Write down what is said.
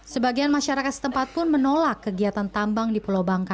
sebagian masyarakat setempat pun menolak kegiatan tambang di pulau bangka